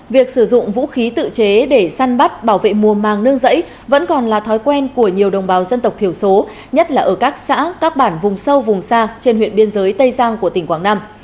việc sử dụng vũ khí tự chế để săn bắt bảo vệ mùa màng nương rẫy vẫn còn là thói quen của nhiều đồng bào dân tộc thiểu số nhất là ở các xã các bản vùng sâu vùng xa trên huyện biên giới tây giang của tỉnh quảng nam